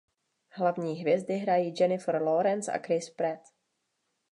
Hlavní hvězdy hrají Jennifer Lawrence a Chris Pratt.